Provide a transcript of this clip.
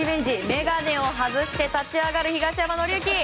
眼鏡を外して立ち上がる東山紀之。